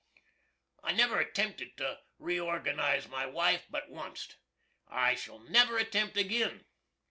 I never attempted to reorganize my wife but onct. I shall never attempt agin.